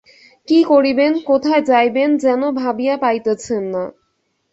কী করিবেন কোথায় যাইবেন যেন ভাবিয়া পাইতেছেন না।